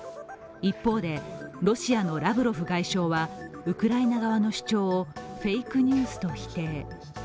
一方で、ロシアのラブロフ外相はウクライナ側の主張をフェイクニュースと否定。